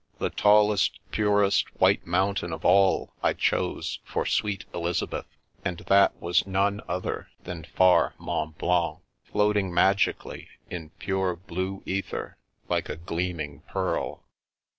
The tallest, purest white mountain of all I chose for sweet Elizabeth, and that was none other than far Mont Blanc, float ing magically in pure blue ether, like a gleaming pearl.